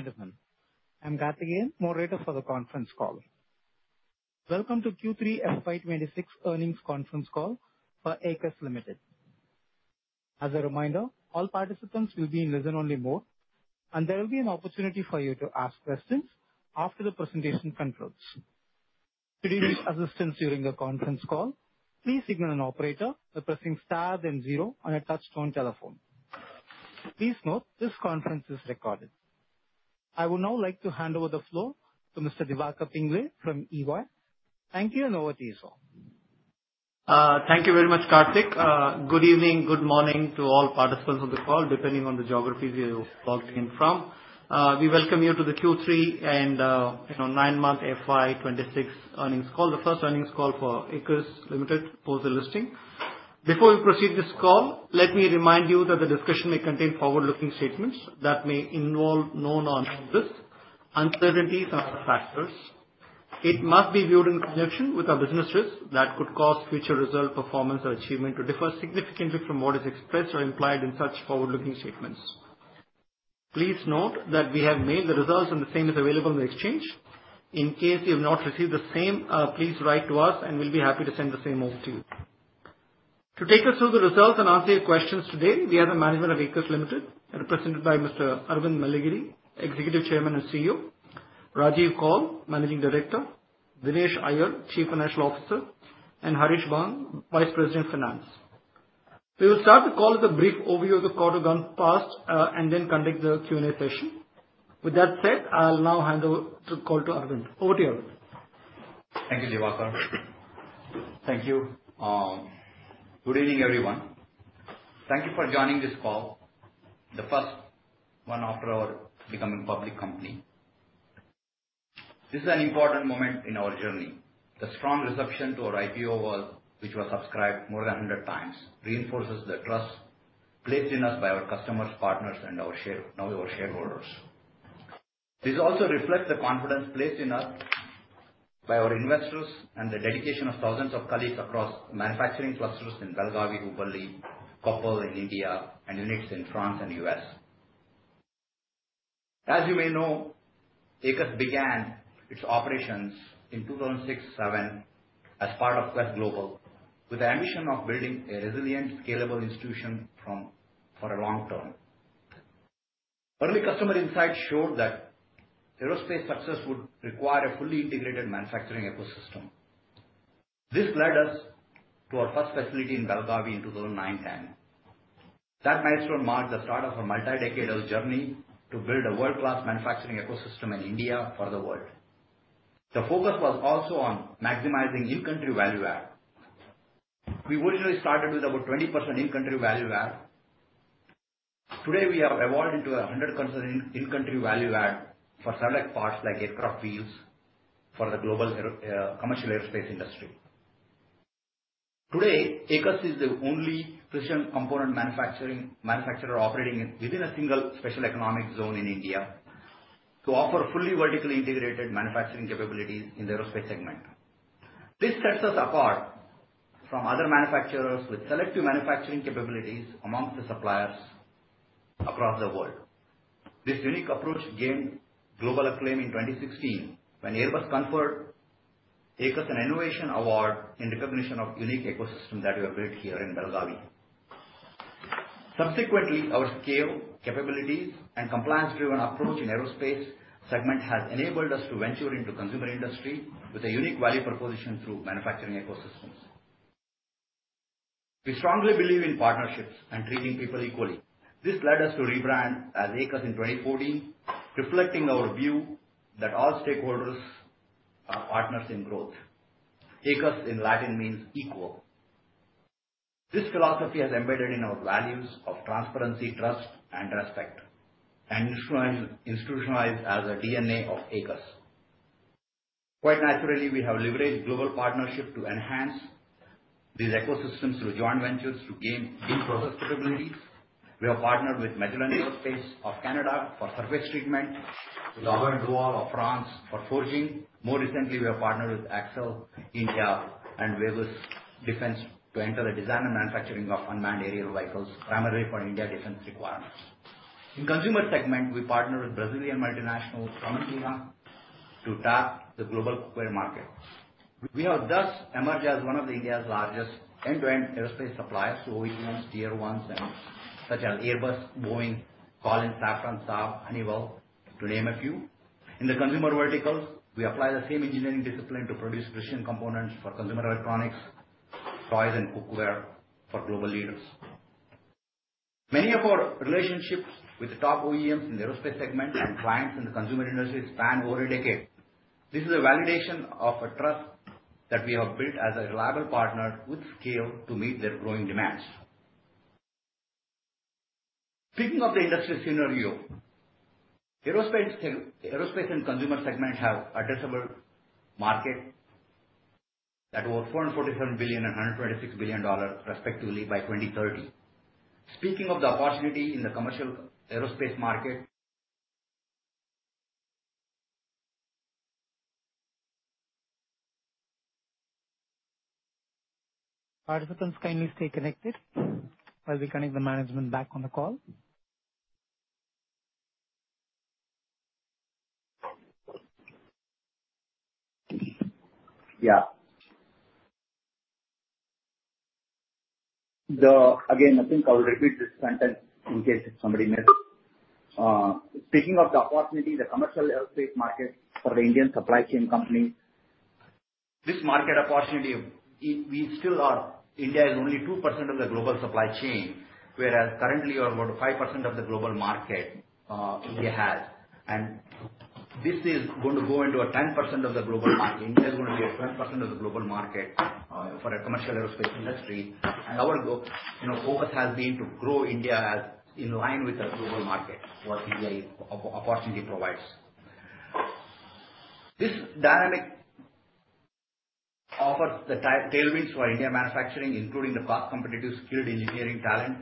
Good evening, ladies and gentlemen. I'm Karthikeyan, moderator for the conference call. Welcome to Q3 FY 2026 Earnings Conference Call for Aequs Limited. As a reminder, all participants will be in listen-only mode, and there will be an opportunity for you to ask questions after the presentation concludes. To receive assistance during the conference call, please signal an operator by pressing Star then zero on your touchtone telephone. Please note, this conference is recorded. I would now like to hand over the floor to Mr. Diwakar Pingle from EY. Thank you, and over to you, sir. Thank you very much, Karthik. Good evening, good morning to all participants on the call, depending on the geography you're calling in from. We welcome you to the Q3 and, you know, 9-month FY 2026 earnings call. The first earnings call for Aequs Limited post the listing. Before we proceed this call, let me remind you that the discussion may contain forward-looking statements that may involve known or unknown risks, uncertainties and other factors. It must be viewed in conjunction with our businesses that could cause future result, performance or achievement to differ significantly from what is expressed or implied in such forward-looking statements. Please note that we have mailed the results and the same is available in the exchange. In case you have not received the same, please write to us and we'll be happy to send the same over to you. To take us through the results and answer your questions today we have the management of Aequs Limited, represented by Mr. Aravind Melligeri, Executive Chairman and CEO, Rajeev Kaul, Managing Director, Dinesh Iyer, Chief Financial Officer, and Harish Bang, Vice President, Finance. We will start the call with a brief overview of the quarter gone past, and then conduct the Q&A session. With that said, I'll now hand the call to Aravind. Over to you, Aravind. Thank you, Diwakar. Thank you. Good evening, everyone. Thank you for joining this call, the first one after our becoming public company. This is an important moment in our journey. The strong reception to our IPO, which was subscribed more than 100 times, reinforces the trust placed in us by our customers, partners and our shareholders now. This also reflects the confidence placed in us by our investors and the dedication of thousands of colleagues across manufacturing clusters in Belagavi, Hubballi, Koppal in India and units in France and U.S. As you may know, Aequs began its operations in 2007 as part of Quest Global, with the ambition of building a resilient, scalable institution for a long term. Early customer insights showed that aerospace success would require a fully integrated manufacturing ecosystem. This led us to our first facility in Belagavi in 2009-10. That milestone marked the start of a multi-decadal journey to build a world-class manufacturing ecosystem in India for the world. The focus was also on maximizing in-country value add. We originally started with about 20% in-country value add. Today we have evolved into 100% in-country value add for select parts like aircraft wheels for the global aero, commercial aerospace industry. Today, Aequs is the only precision component manufacturer operating within a single special economic zone in India to offer fully vertically integrated manufacturing capabilities in the aerospace segment. This sets us apart from other manufacturers with selective manufacturing capabilities among the suppliers across the world. This unique approach gained global acclaim in 2016 when Airbus conferred Aequs an innovation award in recognition of unique ecosystem that we have built here in Belagavi. Subsequently, our scale, capabilities and compliance-driven approach in aerospace segment has enabled us to venture into consumer industry with a unique value proposition through manufacturing ecosystems. We strongly believe in partnerships and treating people equally. This led us to rebrand as Aequs in 2014, reflecting our view that all stakeholders are partners in growth. Aequs in Latin means equal. This philosophy has embedded in our values of transparency, trust and respect, and instrument institutionalized as a DNA of Aequs. Quite naturally, we have leveraged global partnership to enhance these ecosystems through joint ventures to gain deep process capabilities. We have partnered with Magellan Aerospace of Canada for surface treatment, with Aubert & Duval of France for forging. More recently, we have partnered with Accel India and Vagus Defense to enter the design and manufacturing of unmanned aerial vehicles primarily for Indian defense requirements. In consumer segment, we partner with Brazilian multinational, Tramontina, to tap the global cookware market. We have thus emerged as one of India's largest end-to-end aerospace suppliers to OEMs, tier ones, such as Airbus, Boeing, Collins Aerospace, Safran, Saab, Honeywell, to name a few. In the consumer verticals, we apply the same engineering discipline to produce precision components for consumer electronics, toys and cookware for global leaders. Many of our relationships with the top OEMs in the aerospace segment and clients in the consumer industry span over a decade. This is a validation of a trust that we have built as a reliable partner with scale to meet their growing demands. Speaking of the industry scenario, aerospace can Aerospace and consumer segment have addressable market that were $447 billion and $126 billion respectively by 2030. Speaking of the opportunity in the commercial aerospace market Participants kindly stay connected while we connect the management back on the call. Again, I think I will repeat this sentence in case somebody missed. Speaking of the opportunity, the commercial aerospace market for the Indian supply chain company, this market opportunity, we still are. India is only 2% of the global supply chain, whereas currently about 5% of the global market India has. This is going to go into a 10% of the global market. India is going to be a 10% of the global market for a commercial aerospace industry. Our focus has been to grow India as in line with the global market, what India opportunity provides. This dynamic offers the tailwinds for Indian manufacturing, including the cost-competitive skilled engineering talent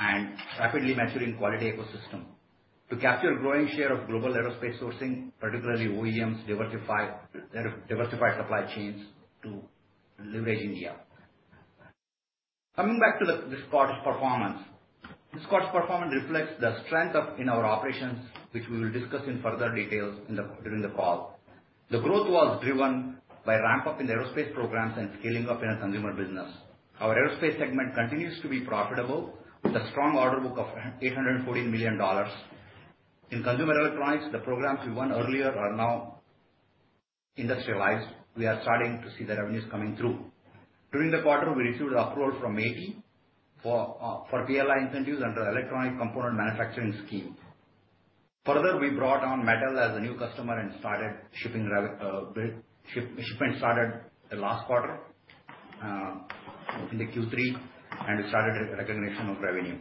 and rapidly maturing quality ecosystem to capture a growing share of global aerospace sourcing, particularly OEMs diversified supply chains to leverage India. Coming back to this quarter's performance, which reflects the strength of our operations, we will discuss in further details during the call. The growth was driven by ramp-up in aerospace programs and scaling up in our consumer business. Our aerospace segment continues to be profitable with a strong order book of $814 million. In consumer electronics, the programs we won earlier are now industrialized. We are starting to see the revenues coming through. During the quarter, we received approval from DPIIT for PLI incentives under the Electronic Component Manufacturing Scheme. Further, we brought on Mattel as a new customer and started shipping. Shipment started the last quarter in Q3, and we started recognition of revenue.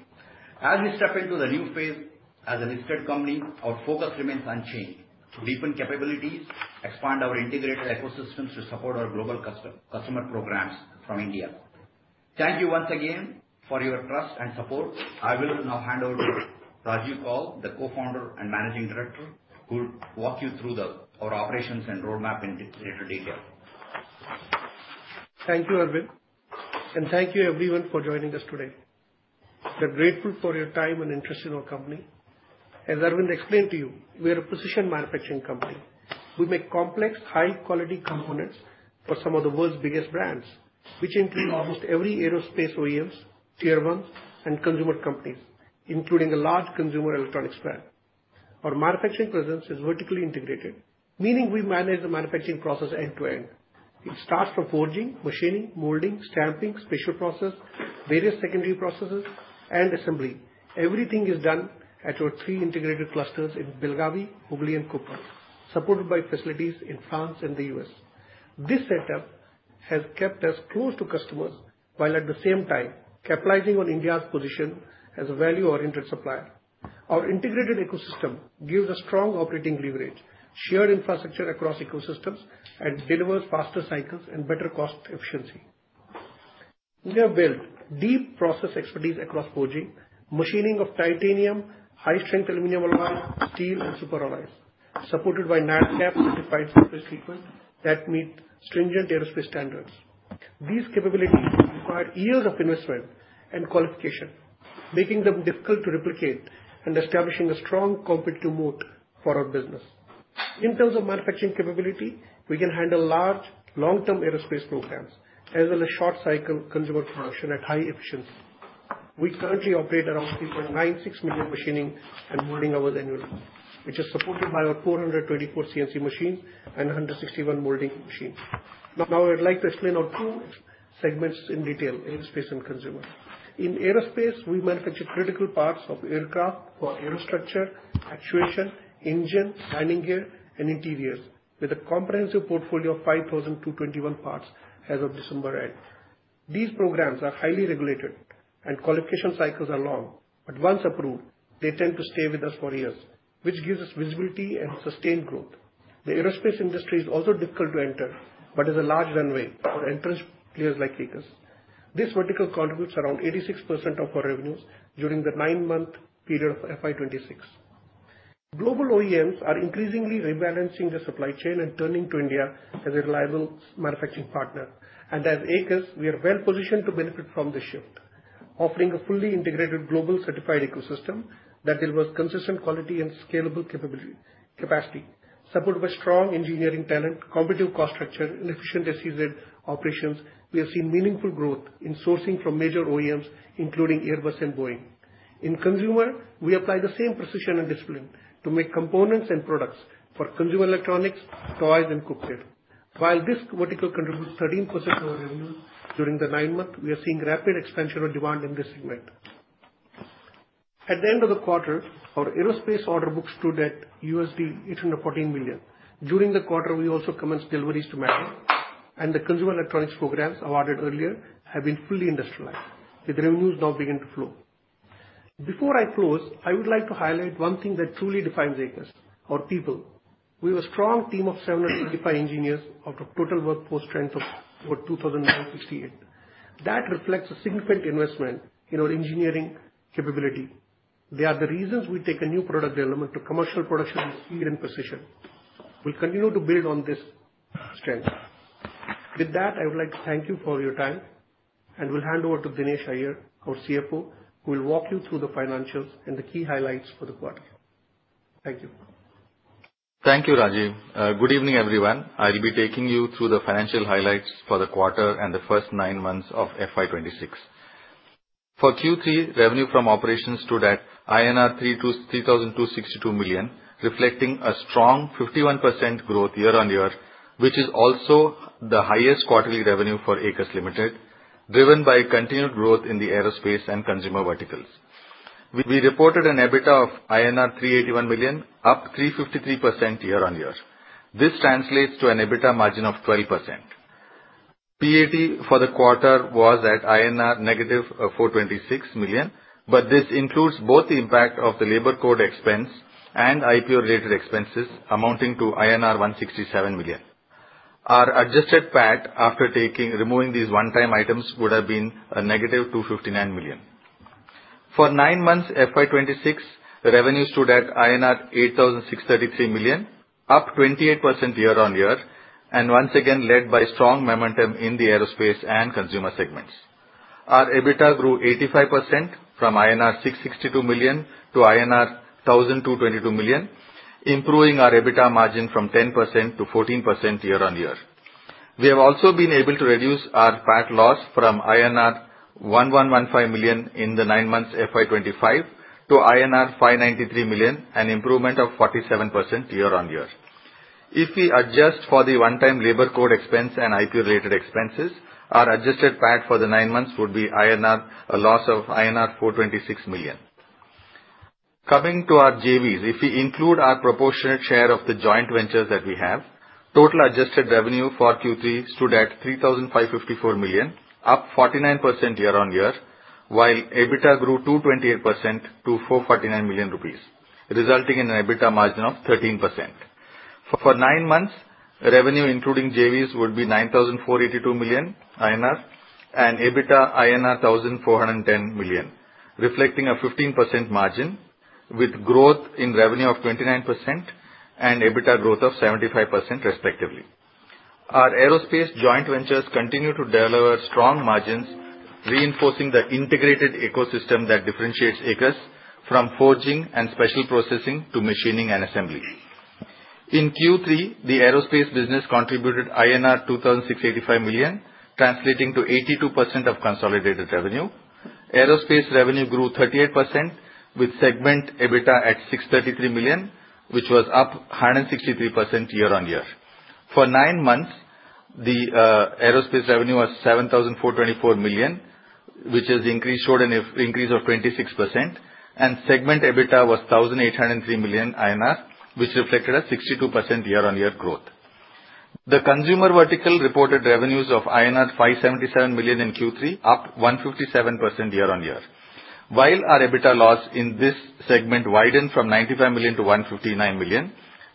As we step into the new phase as a listed company, our focus remains unchanged. To deepen capabilities, expand our integrated ecosystems to support our global customer programs from India. Thank you once again for your trust and support. I will now hand over to Rajeev Kaul, the co-founder and Managing Director, who'll walk you through our operations and roadmap in greater detail. Thank you, Aravind, and thank you everyone for joining us today. We're grateful for your time and interest in our company. As Aravind explained to you, we are a precision manufacturing company. We make complex, high quality components for some of the world's biggest brands, which include almost every aerospace OEMs, tier ones and consumer companies, including a large consumer electronics brand. Our manufacturing presence is vertically integrated, meaning we manage the manufacturing process end-to-end. It starts from forging, machining, molding, stamping, special process, various secondary processes and assembly. Everything is done at our three integrated clusters in Belagavi, Hooghly and Koppal, supported by facilities in France and the U.S. This setup has kept us close to customers while at the same time capitalizing on India's position as a value-oriented supplier. Our integrated ecosystem gives a strong operating leverage, shared infrastructure across ecosystems and delivers faster cycles and better cost efficiency. We have built deep process expertise across forging, machining of titanium, high strength aluminum alloy, steel and superalloys, supported by NADCAP certified surface treatments that meet stringent aerospace standards. These capabilities require years of investment and qualification, making them difficult to replicate and establishing a strong competitive moat for our business. In terms of manufacturing capability, we can handle large long-term aerospace programs as well as short cycle consumer production at high efficiency. We currently operate around 3.96 million machining and molding hours annually, which is supported by our 424 CNC machines and 161 molding machines. Now, I would like to explain our two segments in detail, aerospace and consumer. In aerospace, we manufacture critical parts of aircraft for aerostructure, actuation, engine, landing gear and interiors with a comprehensive portfolio of 5,221 parts as of December 8 2026. These programs are highly regulated and qualification cycles are long, but once approved, they tend to stay with us for years, which gives us visibility and sustained growth. The aerospace industry is also difficult to enter, but is a large runway for entrenched players like us. This vertical contributes around 86% of our revenues during the nine-month period of FY 2026. Global OEMs are increasingly rebalancing their supply chain and turning to India as a reliable manufacturing partner. As Aequs, we are well positioned to benefit from this shift. Offering a fully integrated global certified ecosystem that delivers consistent quality and scalable capacity. Supported by strong engineering talent, competitive cost structure and efficient SEZ operations, we have seen meaningful growth in sourcing from major OEMs, including Airbus and Boeing. In consumer, we apply the same precision and discipline to make components and products for consumer electronics, toys and cookware. While this vertical contributes 13% of our revenue during the nine months, we are seeing rapid expansion of demand in this segment. At the end of the quarter, our aerospace order book stood at $814 million. During the quarter, we also commenced deliveries to Mattel, and the consumer electronics programs awarded earlier have been fully industrialized with revenues now beginning to flow. Before I close, I would like to highlight one thing that truly defines Aequs, our people. We have a strong team of 735 engineers out of total workforce strength of over 2,968. That reflects a significant investment in our engineering capability. They are the reasons we take a new product development to commercial production speed and precision. We'll continue to build on this strength. With that, I would like to thank you for your time, and will hand over to Dinesh Iyer, our CFO, who will walk you through the financials and the key highlights for the quarter. Thank you. Thank you, Rajeev Kaul. Good evening, everyone. I'll be taking you through the financial highlights for the quarter and the first nine months of FY 2026. For Q3, revenue from operations stood at INR 3,262 million, reflecting a strong 51% growth year-on-year, which is also the highest quarterly revenue for Aequs Limited, driven by continued growth in the aerospace and consumer verticals. We reported an EBITDA of INR 381 million, up 353% year-on-year. This translates to an EBITDA margin of 12%. PAT for the quarter was at -426 million INR, but this includes both the impact of the labor code expense and IPO-related expenses amounting to INR 167 million. Our Adjusted PAT after removing these one-time items would have been -259 million. For nine months FY 2026, revenue stood at INR 8,633 million, up 28% year-on-year, and once again led by strong momentum in the aerospace and consumer segments. Our EBITDA grew 85% from INR 662 million - INR 1,222 million, improving our EBITDA margin from 10% - 14% year-on-year. We have also been able to reduce our PAT loss from INR 111.5 million in the nine months FY 2025 to INR 593 million, an improvement of 47% year-on-year. If we adjust for the one-time labor code expense and IPO-related expenses, our adjusted PAT for the nine months would be a loss of INR 426 million. Coming to our JVs, if we include our proportionate share of the joint ventures that we have, total adjusted revenue for Q3 stood at 3,554 million, up 49% year-on-year, while EBITDA grew 228% to 449 million rupees, resulting in an EBITDA margin of 13%. For nine months, revenue including JVs would be 9,482 million INR and EBITDA INR 1,410 million, reflecting a 15% margin with growth in revenue of 29% and EBITDA growth of 75% respectively. Our aerospace joint ventures continue to deliver strong margins, reinforcing the integrated ecosystem that differentiates Aequs from forging and special processing to machining and assembly. In Q3, the aerospace business contributed INR 2,685 million, translating to 82% of consolidated revenue. Aerospace revenue grew 38% with segment EBITDA at 633 million, which was up 163% year-on-year. For nine months, the aerospace revenue was 7,424 million, which showed an increase of 26%, and segment EBITDA was 1,803 million INR, which reflected a 62% year-on-year growth. The consumer vertical reported revenues of INR 577 million in Q3, up 157% year-on-year. While our EBITDA loss in this segment widened from 95 million to 159 million,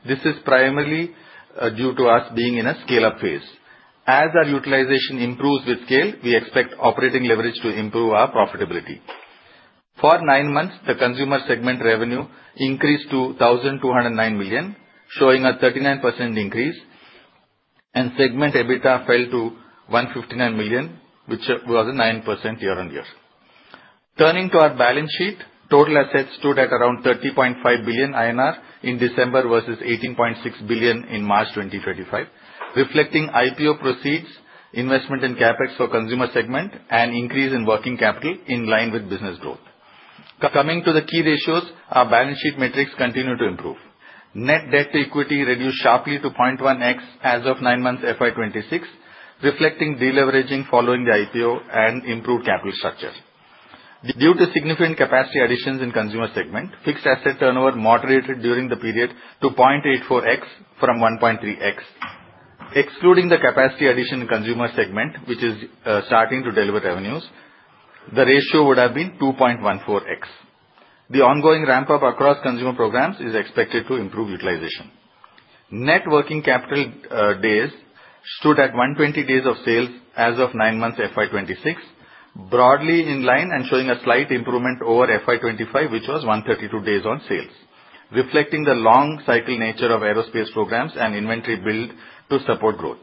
this is primarily due to us being in a scale-up phase. As our utilization improves with scale, we expect operating leverage to improve our profitability. For nine months, the consumer segment revenue increased to 1,209 million, showing a 39% increase, and segment EBITDA fell to 159 million, which was a 9% year-on-year. Turning to our balance sheet, total assets stood at around 30.5 billion INR in December versus 18.6 billion in March 2025, reflecting IPO proceeds, investment in CapEx for consumer segment and increase in working capital in line with business growth. Coming to the key ratios, our balance sheet metrics continue to improve. Net debt to equity reduced sharply to 0.1x as of nine months FY 2026, reflecting deleveraging following the IPO and improved capital structure. Due to significant capacity additions in consumer segment, fixed asset turnover moderated during the period to 0.84x from 1.3x. Excluding the capacity addition in consumer segment, which is starting to deliver revenues, the ratio would have been 2.14x. The ongoing ramp-up across consumer programs is expected to improve utilization. Net working capital days stood at 120 days of sales as of nine months FY 2026, broadly in line and showing a slight improvement over FY 2025, which was 132 days on sales, reflecting the long cycle nature of aerospace programs and inventory build to support growth.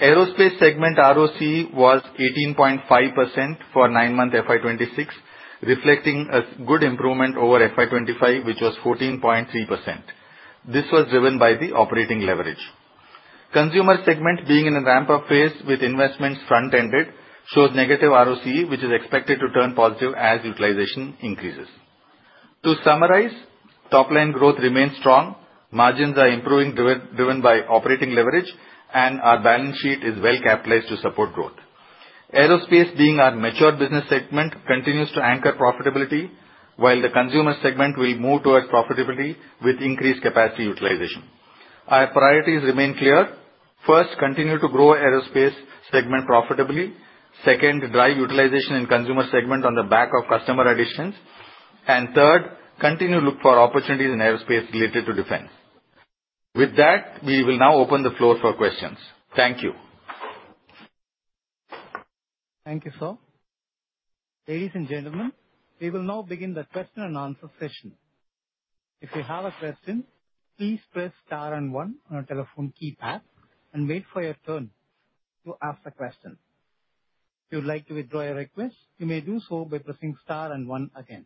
Aerospace segment ROCE was 18.5% for nine-month FY 2026, reflecting a good improvement over FY 2025 which was 14.3%. This was driven by the operating leverage. Consumer segment, being in a ramp-up phase with investments front-ended, shows negative ROCE, which is expected to turn positive as utilization increases. To summarize, top-line growth remains strong, margins are improving driven by operating leverage, and our balance sheet is well capitalized to support growth. Aerospace, being our mature business segment, continues to anchor profitability, while the consumer segment will move towards profitability with increased capacity utilization. Our priorities remain clear. First, continue to grow aerospace segment profitably. Second, drive utilization in consumer segment on the back of customer additions. Third, continue to look for opportunities in aerospace related to defense. With that, we will now open the floor for questions. Thank you. Thank you, sir. Ladies and gentlemen, we will now begin the question and answer session. If you have a question, please press star and one on your telephone keypad and wait for your turn to ask the question. If you'd like to withdraw your request, you may do so by pressing star and one again.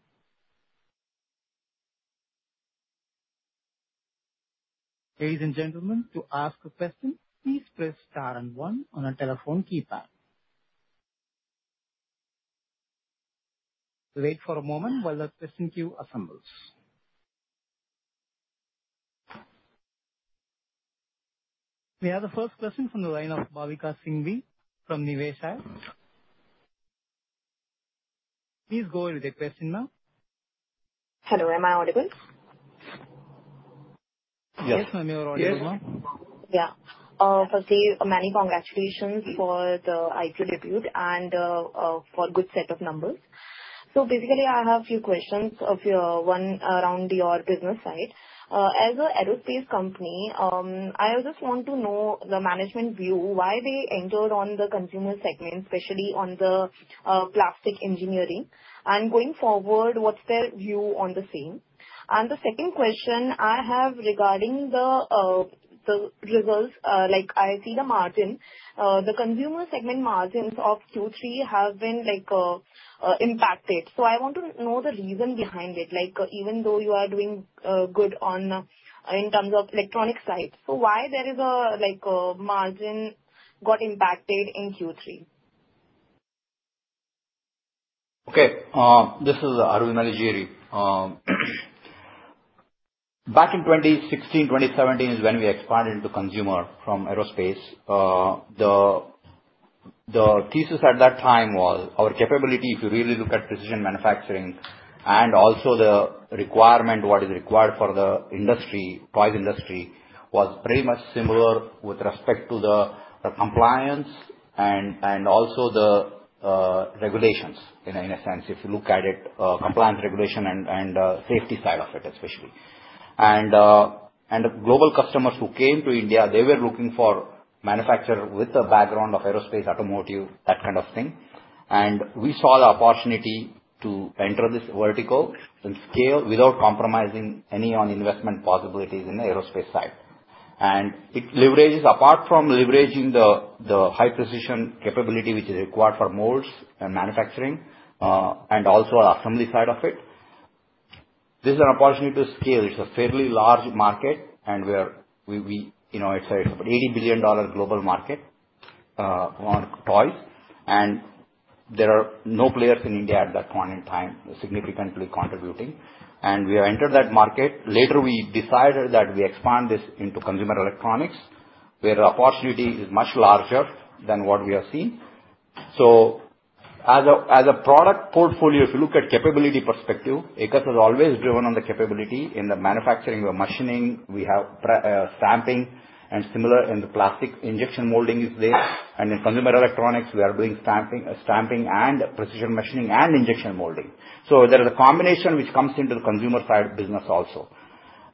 Ladies and gentlemen, to ask a question, please press star and one on your telephone keypad. Wait for a moment while the question queue assembles. We have the first question from the line of Bhavika Singhvi from Niveshaay. Please go with your question, ma'am. Hello, am I audible? Yes, ma'am, you are audible, ma'am. Yeah. Firstly, many congratulations for the IPO debut and for good set of numbers. Basically, I have few questions of your. One, around your business side. As a aerospace company, I just want to know the management view, why they entered on the consumer segment, especially on the plastic engineering. Going forward, what's their view on the same? The second question I have regarding the results, like I see the consumer segment margins of Q3 have been like impacted. I want to know the reason behind it, like, even though you are doing good on in terms of electronic side. Why there is a like margin got impacted in Q3? Okay. This is Aravind Melligeri. Back in 2016, 2017 is when we expanded into consumer from aerospace. The thesis at that time was our capability, if you really look at precision manufacturing and also the requirement, what is required for the industry, toy industry, was very much similar with respect to the compliance and also the regulations in a sense. If you look at it, compliance regulation and safety side of it especially. Global customers who came to India, they were looking for manufacturer with a background of aerospace, automotive, that kind of thing. We saw the opportunity to enter this vertical and scale without compromising any on investment possibilities in the aerospace side. It leverages... Apart from leveraging the high-precision capability which is required for molds and manufacturing, and also assembly side of it, this is an opportunity to scale. It's a fairly large market and we're you know, it's about $80 billion global market on toys, and there are no players in India at that point in time significantly contributing. We have entered that market. Later we decided that we expand this into consumer electronics, where the opportunity is much larger than what we have seen. As a product portfolio, if you look at capability perspective, Aequs has always driven on the capability in the manufacturing or machining. We have stamping and similar in the plastic injection molding is there. In consumer electronics we are doing stamping and precision machining and injection molding. There is a combination which comes into the consumer side of business also.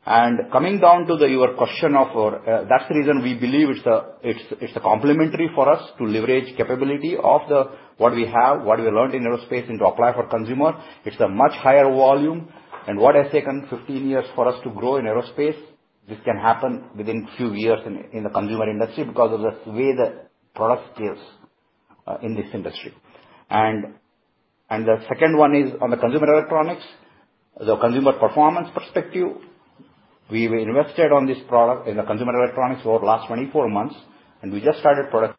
Coming down to your question, that's the reason we believe it's a complementary for us to leverage capability of what we have, what we learned in aerospace, and to apply for consumer. It's a much higher volume. What has taken 15 years for us to grow in aerospace, this can happen within few years in the consumer industry because of the way the product scales in this industry. The second one is on the consumer electronics. The consumer performance perspective, we've invested on this product in the consumer electronics over last 24 months, and we just started product.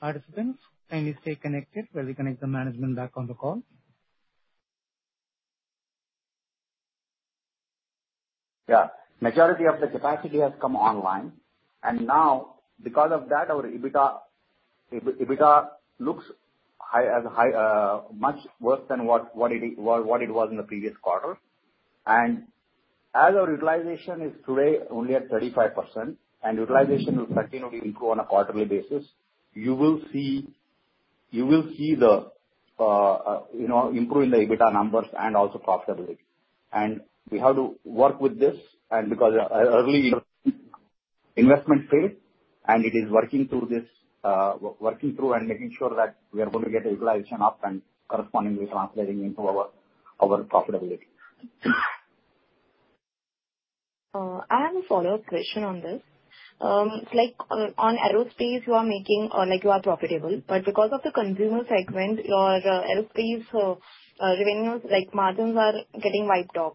Participants, kindly stay connected while we connect the management back on the call. Yeah. Majority of the capacity has come online. Now because of that, our EBITDA looks high, much worse than what it was in the previous quarter. As our utilization is today only at 35%, utilization will continually improve on a quarterly basis, you will see the you know improve in the EBITDA numbers and also profitability. We have to work with this and because early investment phase, and it is working through this working through and making sure that we are going to get the utilization up and correspondingly translating into our profitability. I have a follow-up question on this. Like on aerospace you are making or like you are profitable, but because of the consumer segment, your aerospace revenues, like margins are getting wiped off.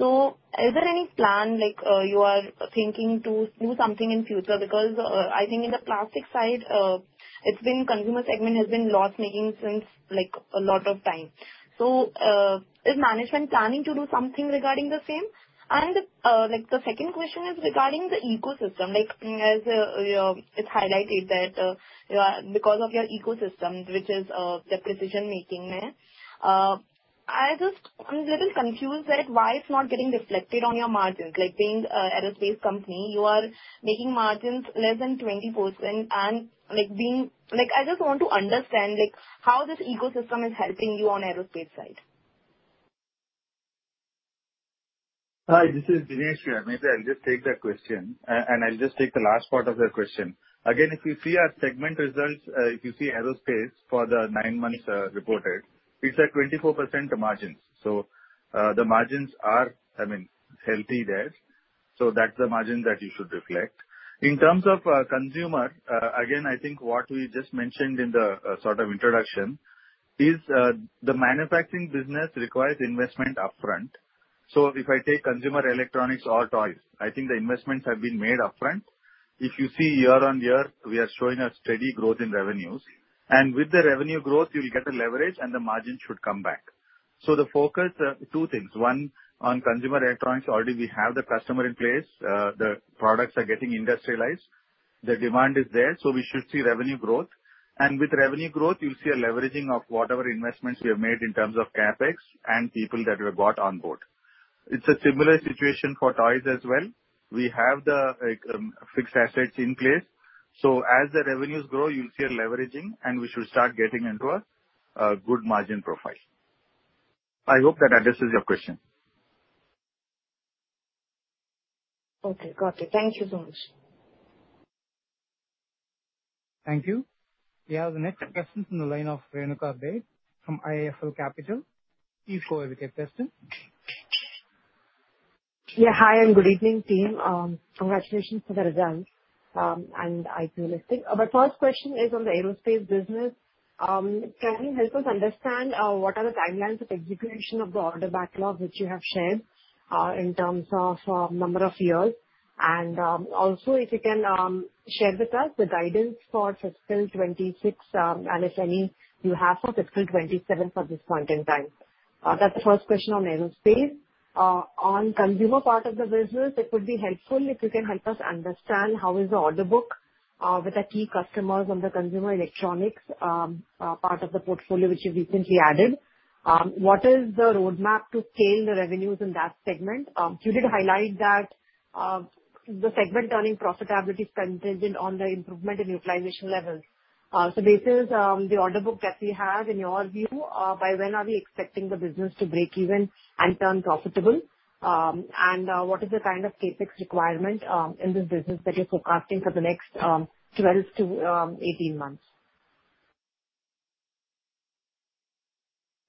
Is there any plan like you are thinking to do something in future? Because I think in the plastic side, it's been consumer segment has been loss-making since like a lot of time. Is management planning to do something regarding the same? Like the second question is regarding the ecosystem. Like as you know, it's highlighted that you are. Because of your ecosystems, which is the precision making there. I just, I'm a little confused that why it's not getting reflected on your margins. Like being a aerospace company, you are making margins less than 20%. Like, I just want to understand, like, how this ecosystem is helping you on aerospace side. Hi, this is Dinesh Iyer here. Maybe I'll just take that question and I'll just take the last part of the question. Again, if you see our segment results, if you see aerospace for the nine months reported, it's at 24% margins. The margins are, I mean, healthy there, so that's the margin that you should reflect. In terms of consumer, again, I think what we just mentioned in the sort of introduction is the manufacturing business requires investment upfront. If I take consumer electronics or toys, I think the investments have been made upfront. If you see year-on-year, we are showing a steady growth in revenues. With the revenue growth, you'll get the leverage, and the margin should come back. The focus, two things. One, on consumer electronics already we have the customer in place. The products are getting industrialized. The demand is there, so we should see revenue growth. With revenue growth you'll see a leveraging of whatever investments we have made in terms of CapEx and people that were brought on board. It's a similar situation for toys as well. We have the fixed assets in place. As the revenues grow, you'll see a leveraging, and we should start getting into a good margin profile. I hope that addresses your question. Okay. Got it. Thank you so much. Thank you. We have the next question from the line of Renuka Baid from IIFL Capital. Please go ahead with your question. Yeah. Hi, and good evening team. Congratulations for the results. I feel the same. My first question is on the aerospace business. Can you help us understand what are the timelines of execution of the order backlog which you have shared in terms of number of years? Also if you can share with us the guidance for FY 2026, and if any you have for FY 2027 for this point in time. That's the first question on aerospace. On consumer part of the business, it would be helpful if you can help us understand how is the order book with the key customers on the consumer electronics part of the portfolio which you recently added. What is the roadmap to scale the revenues in that segment? You did highlight that the segment turning profitability is contingent on the improvement in utilization levels. Based on the order book that we have, in your view, by when are we expecting the business to break even and turn profitable? What is the kind of CapEx requirement in this business that you're forecasting for the next 12-18 months?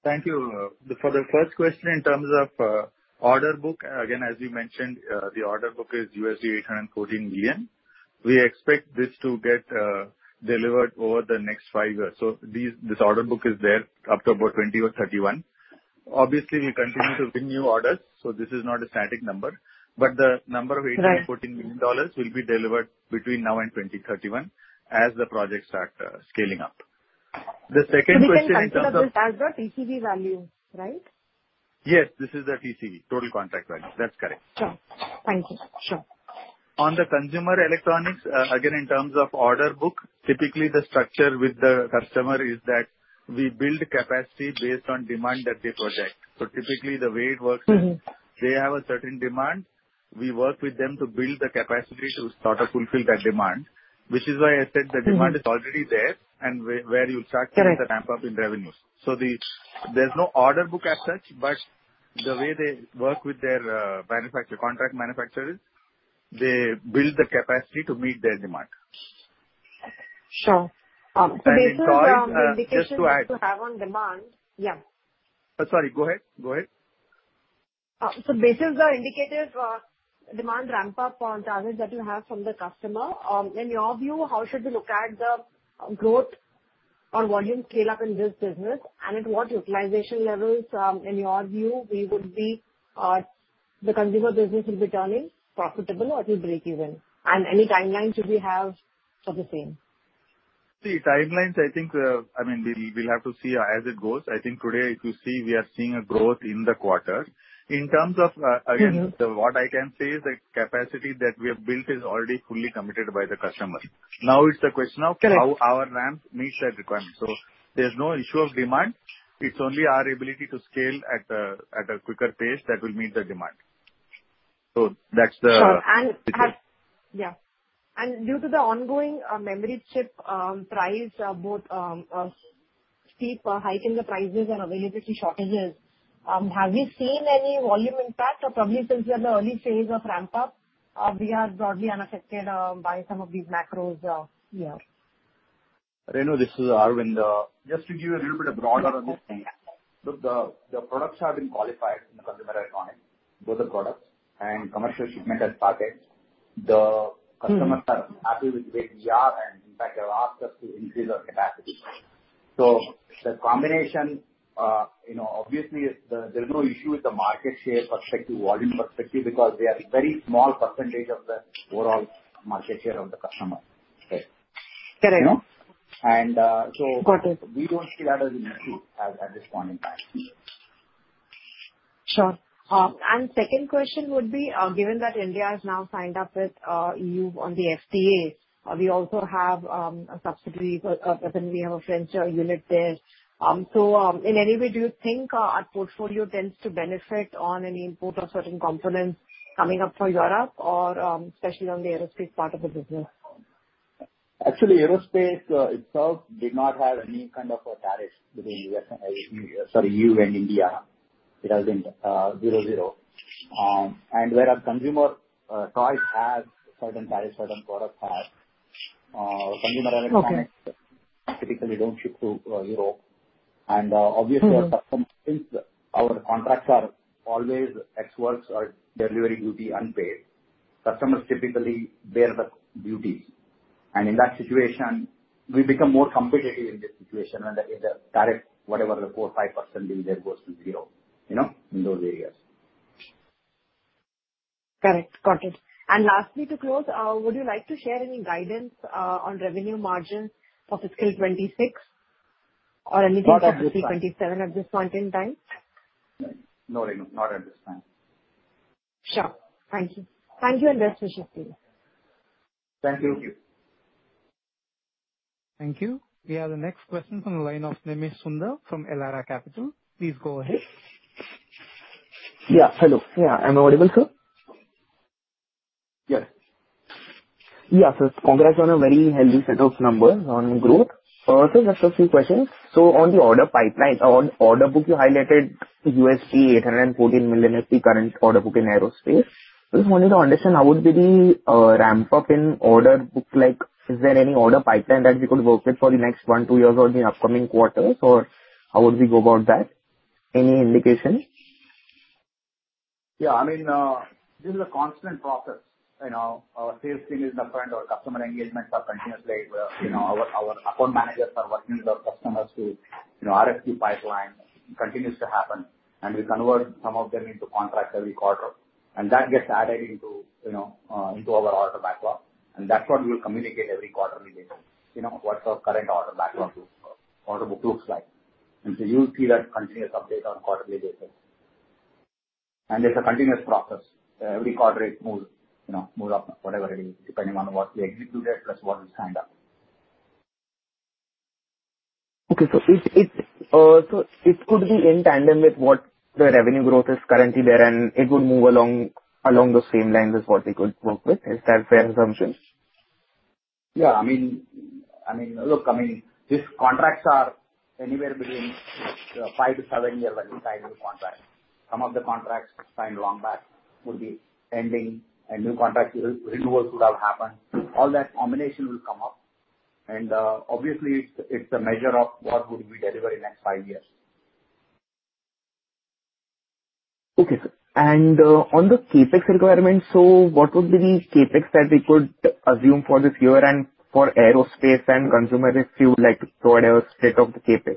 Thank you. For the first question in terms of order book, again, as you mentioned, the order book is $814 million. We expect this to get delivered over the next five years. This order book is there up to about 2027 or 2031. Obviously we continue to win new orders, so this is not a static number. But the number of- Right. $18 million will be delivered between now and 2031 as the projects start scaling up. The second question in terms of- We can consider this as the TCV value, right? Yes. This is the TCV, total contract value. That's correct. Sure. Thank you. Sure. On the consumer electronics, again, in terms of order book, typically the structure with the customer is that we build capacity based on demand that they project. Typically the way it works is They have a certain demand. We work with them to build the capacity to sort of fulfill that demand, which is why I said the demand, is already there and where you start.. Correct. ..to see the ramp up in revenues. There's no order book as such, but the way they work with their manufacturer, contract manufacturer, is they build the capacity to meet their demand. Sure. Based on In toys, just to add. ..the indications that you have on demand. Yeah. Sorry. Go ahead. Based on the indicative demand ramp up on targets that you have from the customer, in your view, how should we look at the growth or volume scale up in this business? At what utilization levels, in your view we would be, the consumer business will be turning profitable or it will break even? Any timeline should we have for the same? The timelines I think, I mean, we'll have to see as it goes. I think today if you see, we are seeing a growth in the quarter. In terms of, again What I can say is the capacity that we have built is already fully committed by the customer. Now it's the question of- Correct. ..how our ramp meets that requirement. There's no issue of demand. It's only our ability to scale at a quicker pace that will meet the demand. That's the- Sure. Due to the ongoing memory chip price both steep hike in the prices and availability shortages, have we seen any volume impact? Or probably since we are in the early phase of ramp up, we are broadly unaffected by some of these macros here. Renu, this is Aravind. Just to give you a little bit of broader on this piece. Look, the products have been qualified in the consumer electronics, both the products, and commercial shipment has started. The customers- They are happy with where we are, and in fact have asked us to increase our capacity. The combination obviously is the. There's no issue with the market share perspective, volume perspective, because we are a very small percentage of the overall market share of the customer. Right. Correct. You know? Got it. We don't see that as an issue at this point in time. Sure. Second question would be, given that India has now signed up with EU on the FTA, we also have a subsidiary for, I think we have a French unit there. So, in any way, do you think our portfolio tends to benefit on any import of certain components coming up from Europe or, especially on the aerospace part of the business? Actually, aerospace itself did not have any kind of a tariff between U.S. and India. It has been 0%. Whereas consumer toys have certain tariffs, certain products have Okay. Consumer electronics typically don't ship to Europe. Obviously, Our customers, since our contracts are always Ex Works, our delivery will be unpaid. Customers typically bear the duties. In that situation, we become more competitive in this situation and the tariff, whatever the 4%-5% is there goes to zero, you know, in those areas. Correct. Got it. Lastly, to close, would you like to share any guidance on revenue margins for fiscal 2026 or anything- Not at this time. For FY 2027 at this point in time? No, not at this time. Sure. Thank you. Thank you and best wishes to you. Thank you. Thank you. We have the next question from the line of Nemish Sundar from Elara Capital. Please go ahead. Yeah, hello. Yeah, am I audible, sir? Yes. Yeah. Congrats on a very healthy set of numbers on growth. Just a few questions. On the order pipeline or order book, you highlighted $814 million is the current order book in aerospace. Just wanted to understand how would be the ramp-up in order book like. Is there any order pipeline that we could work with for the next one to two years or the upcoming quarters, or how would we go about that? Any indication? Yeah, I mean, this is a constant process. You know, our sales team is different. Our customer engagements are continuously. You know, our account managers are working with our customers to, you know, RFQ pipeline continues to happen and we convert some of them into contracts every quarter. That gets added into, you know, into our order backlog. That's what we communicate every quarter, you know, what's our current order backlog looks or order book looks like. You'll see that continuous update on a quarterly basis. It's a continuous process. Every quarter it moves, you know, up, whatever it is, depending on what we executed plus what we signed up. Okay. It could be in tandem with what the revenue growth is currently there, and it would move along the same lines as what we could work with. Is that fair assumption? I mean, look, these contracts are anywhere between 5-7 years when we sign the contract. Some of the contracts signed long back will be ending and new contract renewals would have happened. All that combination will come up. Obviously it's a measure of what we would deliver in next five years. Okay, sir. On the CapEx requirement, so what would be the CapEx that we could assume for this year and for aerospace and consumer ECU, like, so whatever state of the CapEx?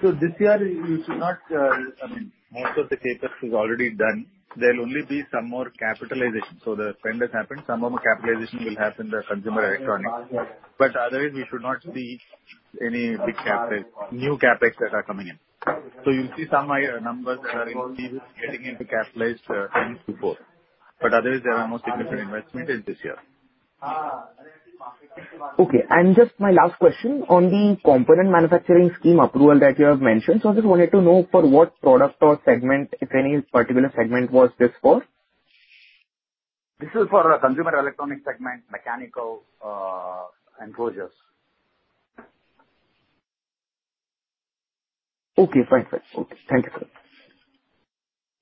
This year you should not, I mean, most of the CapEx is already done. There'll only be some more capitalization. The spend has happened. Some of the capitalization will happen in the consumer electronics. Otherwise we should not see any big CapEx, new CapEx that are coming in. You'll see some numbers are increasing, getting into capitalized things to both. Otherwise there are no significant investment in this year. Okay. Just my last question on the component manufacturing scheme approval that you have mentioned. I just wanted to know for what product or segment, if any particular segment was this for? This is for our consumer electronics segment, mechanical enclosures. Okay, perfect. Okay, thank you,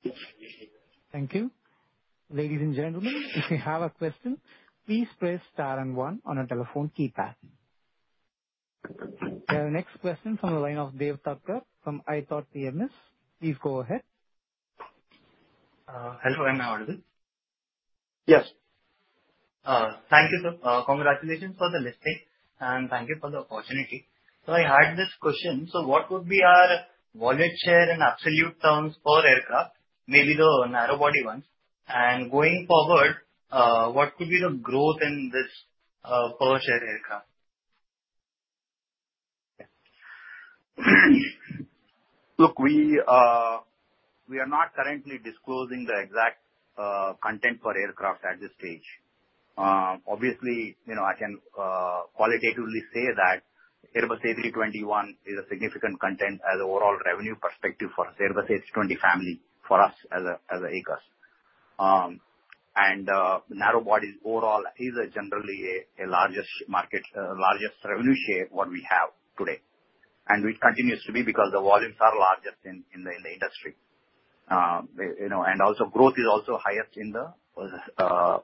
sir. Thank you. Ladies and gentlemen, if you have a question, please press star and one on your telephone keypad. We have our next question from the line of Dev Thakkar from ITOT PMS. Please go ahead. Hello, am I audible? Yes. Thank you, sir. Congratulations for the listing, and thank you for the opportunity. I had this question. What would be our volume share in absolute terms per aircraft? Maybe the narrow body ones. Going forward, what could be the growth in this, per share aircraft? Look, we are not currently disclosing the exact content per aircraft at this stage. Obviously, you know, I can qualitatively say that Airbus A321 is a significant content as overall revenue perspective for us. Airbus A320 family for us as a Aequs. The narrow bodies overall is generally the largest market, largest revenue share what we have today. Which continues to be because the volumes are largest in the industry. You know, growth is also highest in the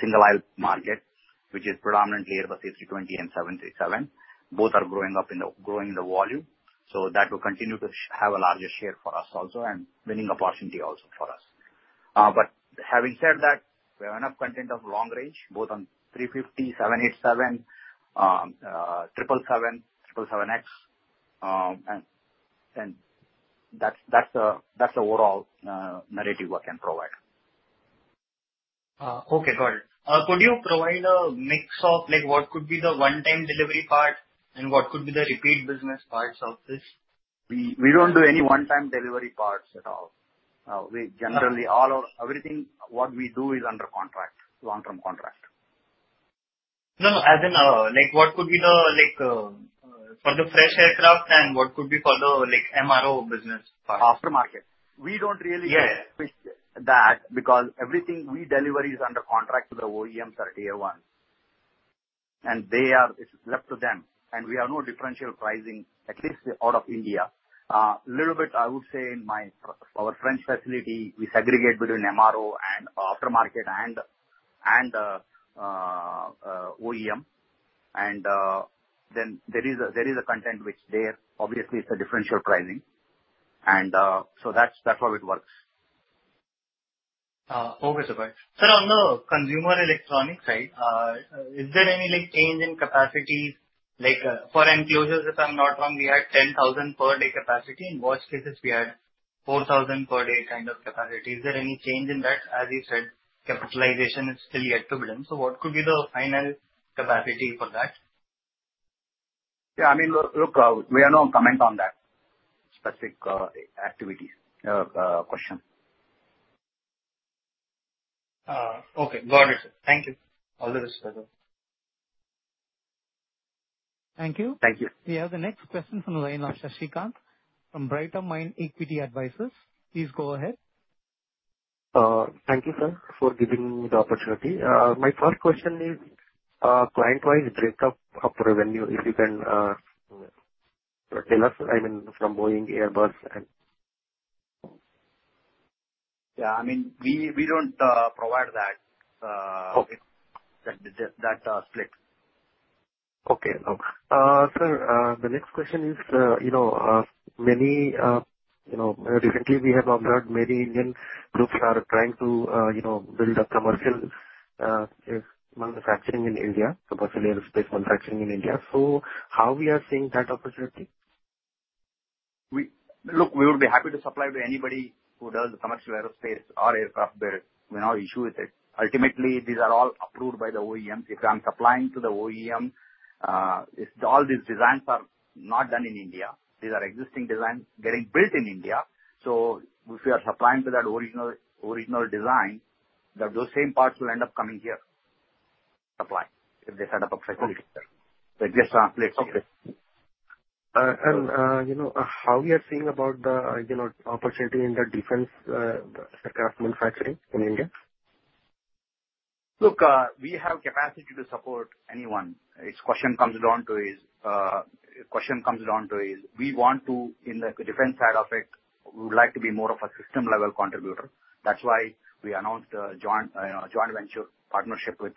single-aisle market, which is predominantly Airbus A320 and 737. Both are growing the volume, so that will continue to have a larger share for us also and winning opportunity also for us. Having said that, we have enough content of long range, both on 350, 787, 777, 777X. That's the overall narrative what I can provide. Okay. Got it. Could you provide a mix of like what could be the one-time delivery part and what could be the repeat business parts of this? We don't do any one-time delivery parts at all. We generally everything what we do is under contract, long-term contract. No, as in, like what could be the like, for the fresh aircraft and what could be for the like MRO business part. Aftermarket. We don't really Yes. Fix that because everything we deliver is under contract to the OEMs or Tier 1s. It's left to them. We have no differential pricing, at least out of India. A little bit, I would say in our French facility, we segregate between MRO and aftermarket and OEM. That's how it works. Okay, Subhash. Sir, on the consumer electronics side, is there any like change in capacity? Like, for enclosures, if I'm not wrong, we had 10,000 per day capacity. In worst cases, we had 4,000 per day kind of capacity. Is there any change in that? As you said, capitalization is still yet to be done. What could be the final capacity for that? Yeah, I mean, look, we have no comment on that specific activities question. Okay. Got it, sir. Thank you. All the best. Thank you. Thank you. We have the next question from the line of Shashi Kant from Brighter Mind Equity Advisors. Please go ahead. Thank you, sir, for giving me the opportunity. My first question is client-wise break up of revenue, if you can tell us, I mean, from Boeing, Airbus, and Yeah, I mean, we don't provide that. Okay. split. Okay. Sir, the next question is, recently we have observed many Indian groups are trying to, build up commercial manufacturing in India, commercial aerospace manufacturing in India. How we are seeing that opportunity? Look, we would be happy to supply to anybody who does commercial aerospace or aircraft build. We have no issue with it. Ultimately, these are all approved by the OEM. If I'm supplying to the OEM, if all these designs are not done in India, these are existing designs getting built in India. If we are supplying to that original design, those same parts will end up coming here if they set up a facility here. Okay. They're just templates here. Okay. You know, how we are seeing about the, you know, opportunity in the defense aircraft manufacturing in India? Look, we have capacity to support anyone. The question comes down to is we want to in the defense side of it, we would like to be more of a system level contributor. That's why we announced a joint venture partnership with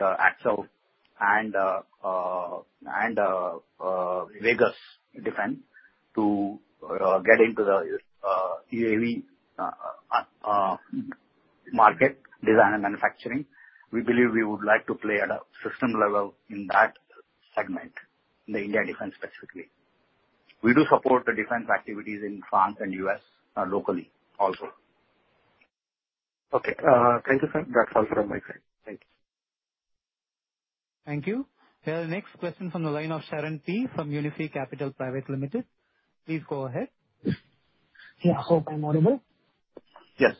Accel and Vagus Defense to get into the UAV market design and manufacturing. We believe we would like to play at a system level in that segment, in the Indian defense specifically. We do support the defense activities in France and U.S., locally also. Okay. Thank you, sir. That's all from my side. Thank you. Thank you. The next question from the line of Sharan P from Unifi Capital Private Limited. Please go ahead. Yeah. Hope I'm audible. Yes.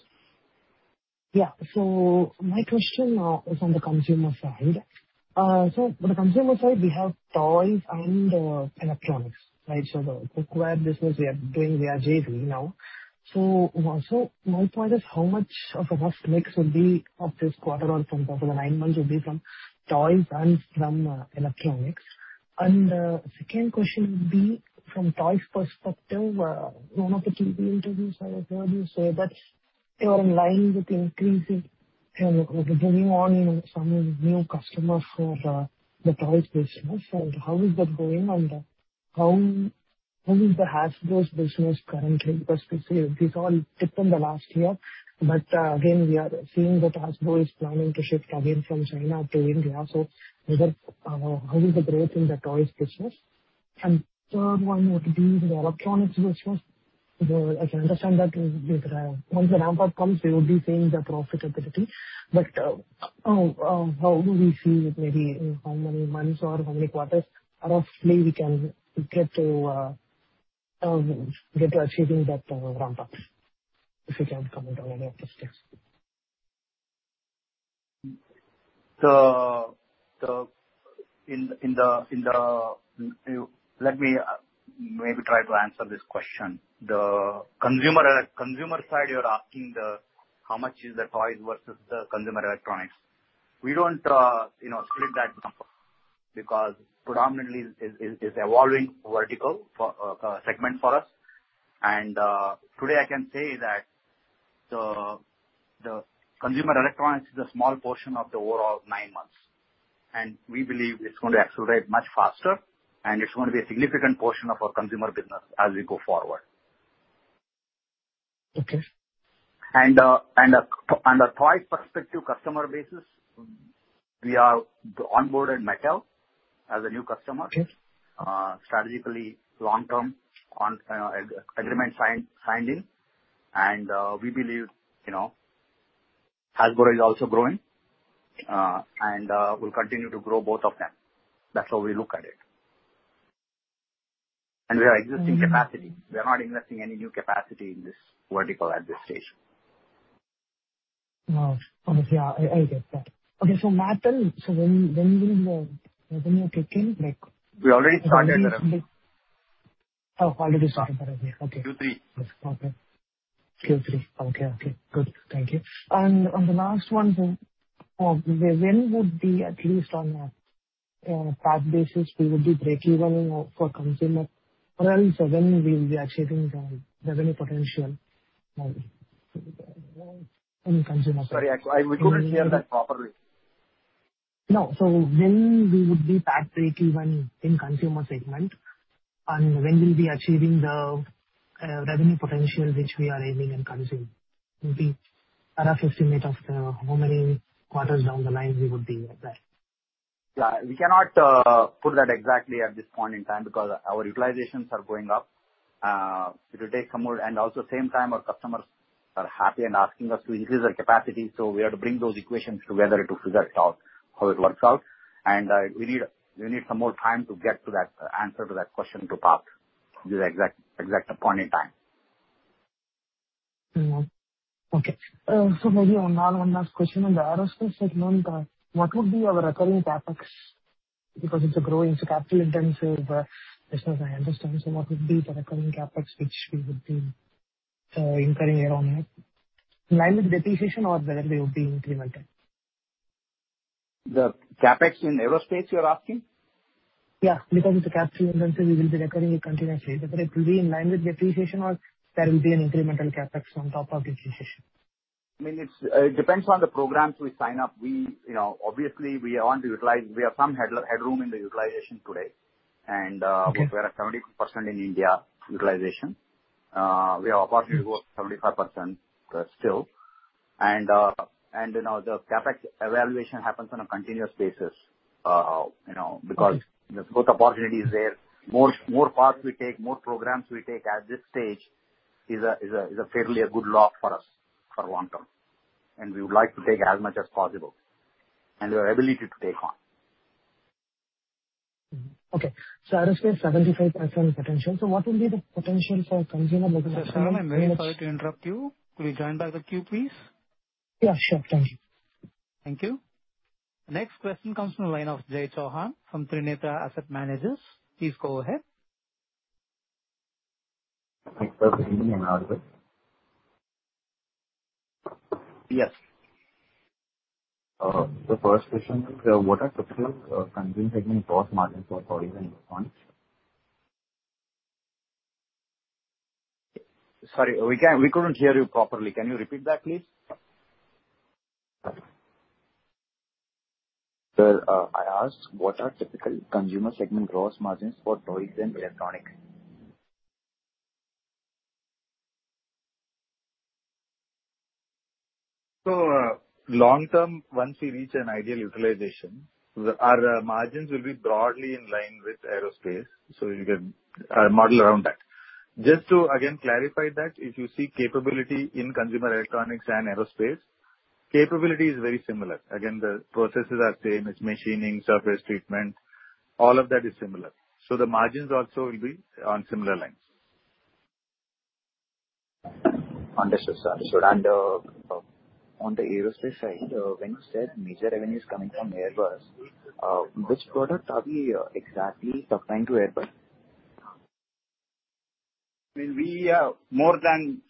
My question is on the consumer side. The consumer side, we have toys and electronics, right? The cookware business we are doing, we are JV now. My point is, how much of a rough mix would be of this quarter or from the nine months would be from toys and from electronics? Second question would be from toys perspective, in one of the GP interviews I have heard you say that you're in line with increasing and you're bringing on some new customers for the toys business. How is that going? How is the Hasbro's business currently? Because we see it is all dipped in the last year, but again, we are seeing that Hasbro is planning to shift again from China to India. How is the growth in the toys business? Third one would be the electronics business. As I understand that once the ramp up comes, we will be seeing the profitability. How do we see it maybe in how many months or how many quarters roughly we can get to achieving that ramp up? If you can comment on any of the steps. Let me maybe try to answer this question. The consumer side, you're asking how much is the toys versus the consumer electronics. We don't you know split that number because predominantly is evolving vertical for segment for us. Today I can say that the consumer electronics is a small portion of the overall nine months. We believe it's going to accelerate much faster and it's going to be a significant portion of our consumer business as we go forward. Okay. A toy perspective customer basis, we are onboarded Mattel as a new customer. Okay. Strategically, long-term, on agreement signing. We believe, Hasbro is also growing and will continue to grow both of them. That's how we look at it. We have existing capacity. We are not investing any new capacity in this vertical at this stage. Oh, okay. Yeah, I get that. Okay, metal. When will you, when you are taking, like- We already started. Oh, already started. Okay. Q3. Q3. Okay. Good. Thank you. The last one. When would be, at least on a path basis, we would be breakeven for consumer? Or else when we'll be achieving the revenue potential in consumer Sorry, we couldn't hear that properly. No. When we would be path to breakeven in consumer segment and when we'll be achieving the revenue potential which we are aiming in consumer? Would be a rough estimate of how many quarters down the line we would be at that? Yeah. We cannot put that exactly at this point in time because our utilizations are going up. It will take some more. Also at the same time our customers are happy and asking us to increase our capacity, so we have to bring those equations together to figure it out, how it works out. We need some more time to get to that answer to that question to pinpoint the exact point in time. Okay. Maybe one last question. On the aerospace segment, what would be your recurring CapEx? Because it's a growing, capital-intensive business, I understand. What would be the recurring CapEx which we would be incurring year on year? In line with depreciation or whether they would be incremental? The CapEx in aerospace, you're asking? Yeah, because it's capital-intensive, we will be incurring it continuously. Whether it will be in line with depreciation or there will be an incremental CapEx on top of depreciation. I mean, it's it depends on the programs we sign up. We, you know, obviously we want to utilize. We have some headroom in the utilization today and Okay. We are at 70% in India utilization. We have opportunity to go up 75%, still. You know, the CapEx evaluation happens on a continuous basis, you know. Okay. Because there's both opportunities there. More parts we take, more programs we take at this stage is a fairly good lock for us for long term. We would like to take as much as possible, and our ability to take on. Okay. Aerospace 75% potential. What will be the potential for consumer business? Sir, I'm very sorry to interrupt you. Could you join back the queue, please? Yeah, sure. Thank you. Thank you. Next question comes from the line of Jai Chauhan from Trinetra Asset Managers. Please go ahead. Yes. The first question, what are typical consumer segment gross margins for Torras Electronics? Sorry, we couldn't hear you properly. Can you repeat that, please? Well, I asked what are typical consumer segment gross margins for Torras Electronics? Long term, once we reach an ideal utilization, our margins will be broadly in line with aerospace. You can model around that. Just to again clarify that, if you see capability in consumer electronics and aerospace, capability is very similar. Again, the processes are same. It's machining, surface treatment, all of that is similar. The margins also will be on similar lines. Understood, sir. On the aerospace side, when you said major revenue is coming from Airbus, which products are we exactly supplying to Airbus? I mean, we have more than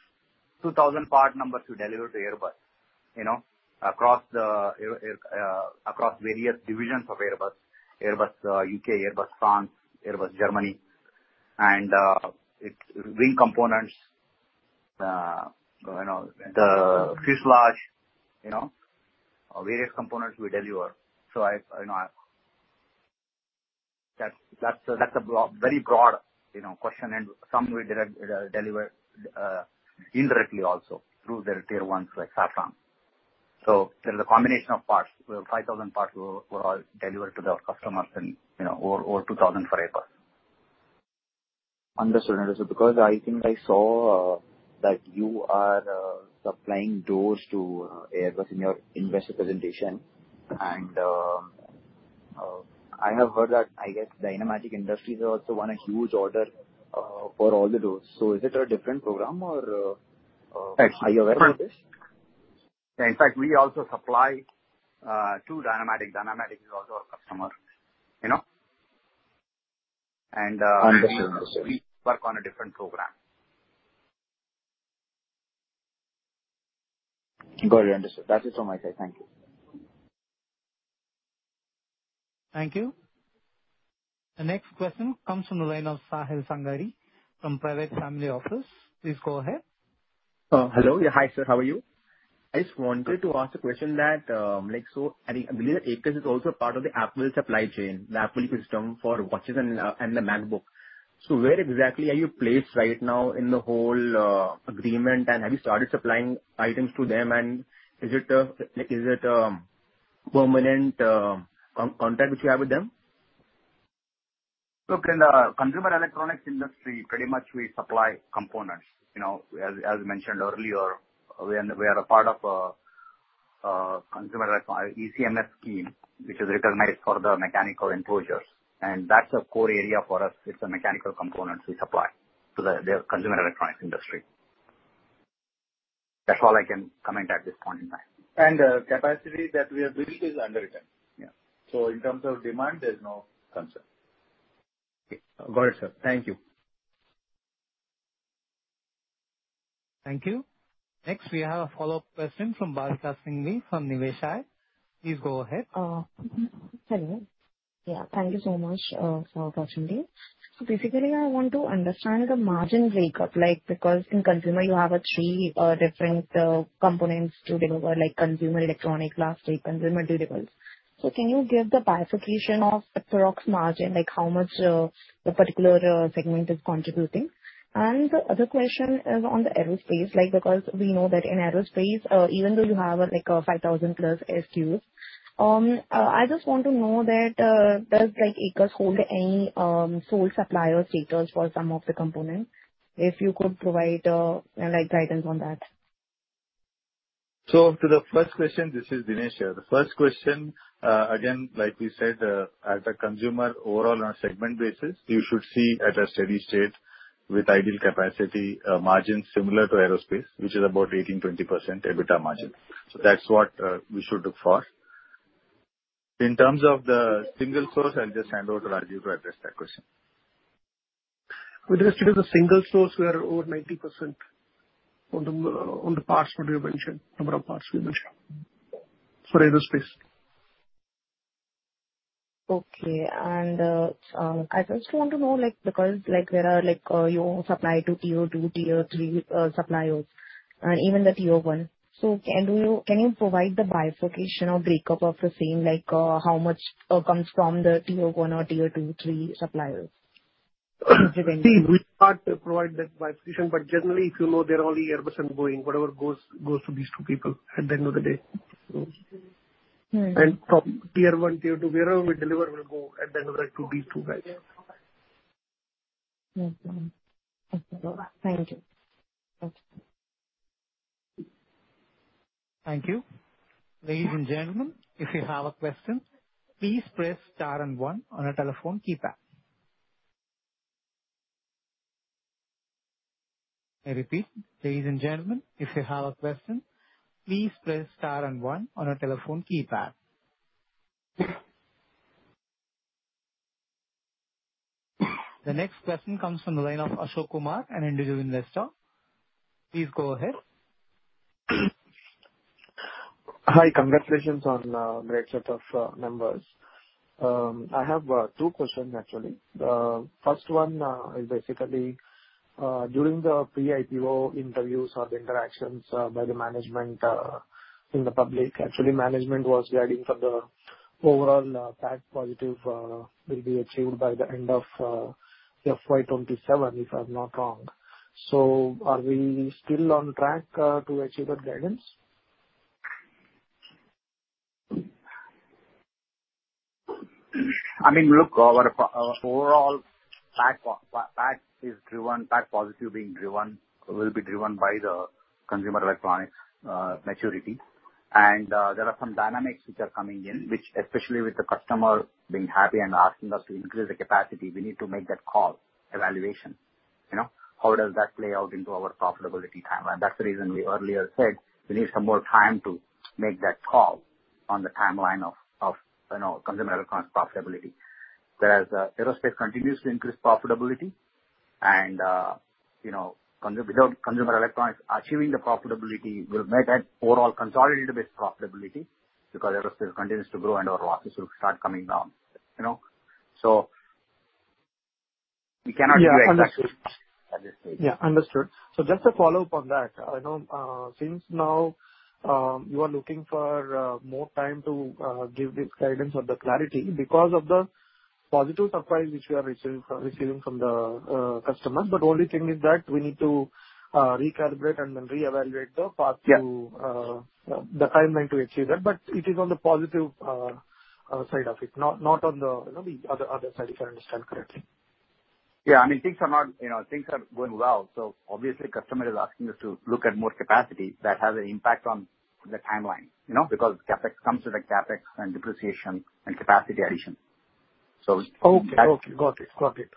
2,000 part numbers to deliver to Airbus, you know, across the aero across various divisions of Airbus. Airbus UK, Airbus France, Airbus Germany, and it's wing components, you know, the fuselage, you know, various components we deliver. That's a broad, very broad, you know, question. Some we directly deliver indirectly also through their tier ones like Safran. There's a combination of parts. We have 5,000 parts we all deliver to their customers and, you know, over 2,000 for Airbus. Understood. Because I think I saw that you are supplying doors to Airbus in your investor presentation. I have heard that, I guess Dynamatic Technologies have also won a huge order for all the doors. Is it a different program or Actually- Are you aware about this? Yeah. In fact, we also supply to Dynamatic. Dynamatic is also our customer, you know. Understood. We work on a different program. Got it, understood. That's it from my side. Thank you. Thank you. The next question comes from the line of Sahil Sangari from Private Family Office. Please go ahead. Hello. Yeah, hi, sir. How are you? I just wanted to ask a question that, like, so I think, I believe that Aequs is also part of the Apple supply chain, the Apple ecosystem for watches and the MacBook. Where exactly are you placed right now in the whole agreement, and have you started supplying items to them? Is it a, like is it a permanent contract which you have with them? Look, in the consumer electronics industry, pretty much we supply components. You know, as mentioned earlier, we are a part of ECMS scheme, which is recognized for the mechanical enclosures, and that's a core area for us. It's the mechanical components we supply to the consumer electronics industry. That's all I can comment at this point in time. The capacity that we have built is under return. Yeah. In terms of demand, there's no concern. Okay. Got it, sir. Thank you. Thank you. Next, we have a follow-up question from Bhavika Singhvi from Niveshaay. Please go ahead. Hello. Yeah, thank you so much for the opportunity. Basically, I want to understand the margin breakup, like, because in consumer you have three different components to deliver, like consumer electronic, last three consumer deliverables. Can you give the bifurcation of the gross margin, like how much the particular segment is contributing? The other question is on the aerospace, like, because we know that in aerospace, even though you have a like a 5,000+ SQs, I just want to know that, does like Aequs hold any sole supplier status for some of the components? If you could provide like guidance on that. To the first question. This is Dinesh here. The first question, again, like we said, as a consumer overall on a segment basis, you should see at a steady state with ideal capacity, margin similar to aerospace, which is about 18%-20% EBITDA margin. That's what we should look for. In terms of the single source, I'll just hand over to Rajeev to address that question. With respect to the single source, we are over 90% on the parts that you mentioned, number of parts we mentioned for aerospace. Okay. I just want to know, like, because, like, there are, like, you supply to tier two, tier three suppliers, and even the tier one. Can you provide the bifurcation or breakup of the same, like, how much comes from the tier one or tier two, three suppliers? See, we can't provide that bifurcation. Generally, if you know, there are only Airbus and Boeing, whatever goes to these two people at the end of the day. From T1, T2, wherever we deliver will go at the end of the day to these two guys. Okay. Thank you. Thank you. Ladies and gentlemen, if you have a question, please press star and one on your telephone keypad. I repeat, ladies and gentlemen, if you have a question, please press star and one on your telephone keypad. The next question comes from the line of Ashok Kumar, an Individual Investor. Please go ahead. Hi, congratulations on great set of numbers. I have two questions actually. First one is basically during the pre-IPO interviews or the interactions by the management in the public. Actually management was guiding for the overall PAT positive will be achieved by the end of the FY 2027, if I'm not wrong. Are we still on track to achieve that guidance? I mean, look, our overall PAT is driven, PAT positive being driven, will be driven by the consumer electronics maturity. There are some dynamics which are coming in which especially with the customer being happy and asking us to increase the capacity, we need to make that call evaluation. You know, how does that play out into our profitability timeline? That's the reason we earlier said we need some more time to make that call on the timeline of, you know, consumer electronics profitability. Whereas aerospace continues to increase profitability and, you know, consumer electronics achieving the profitability will make an overall consolidated-based profitability because aerospace continues to grow and our losses will start coming down, you know. We cannot give you. Yeah. Understood. An exact date at this stage. Yeah. Understood. Just a follow-up on that. I know, since now, you are looking for more time to give this guidance or the clarity because of the positive surprise which you are receiving from the customers. Only thing is that we need to recalibrate and then re-evaluate the path to- The timeline to achieve that, but it is on the positive side of it, not on the, you know, the other side, if I understand correctly. Yeah. I mean, things are going well, so obviously customer is asking us to look at more capacity that has an impact on the timeline, you know, because CapEx comes with the depreciation and capacity addition. Okay. Got it.